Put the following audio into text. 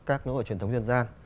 các lễ hội truyền thống dân gian